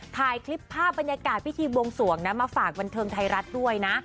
ถ่ายคลิปภาพบรรยากาศพิธีบวงสวงนะมาฝากบันเทิงไทยรัฐด้วยนะ